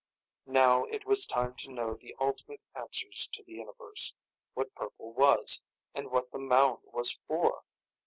Now it was time to know the ultimate answers to the universe what purple was, and what the mound was for.